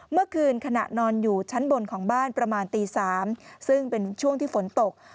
เมื่อคืนขณะนอนอยู่ชั้นบนของบ้านประมาณตี๓ซึ่งเป็นช่วงที่ฝนตก